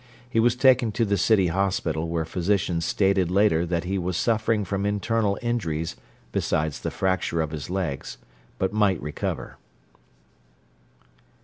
He was taken to the City Hospital where physicians stated later that he was suffering from internal injuries besides the fracture of his legs but might recover.